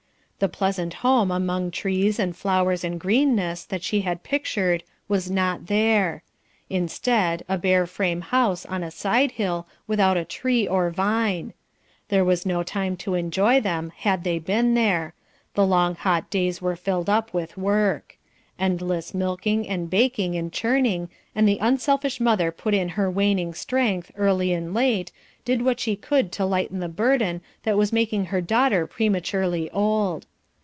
The pleasant home among trees and flowers and greenness that she had pictured was not there; instead, a bare frame house on a side hill without a tree or vine; there was no time to enjoy them had they been there; the long hot days were filled up with work; endless milking and baking and churning, and the unselfish mother put in her waning strength, early and late, did what she could to lighten the burden that was making her daughter prematurely old.